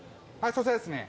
そちらですね。